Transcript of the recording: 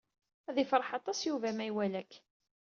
Ad ifreh aṭas Yuba ma iwala-k.